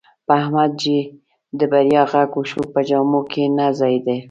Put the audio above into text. په احمد چې د بریا غږ وشو، په جامو کې نه ځایېدا.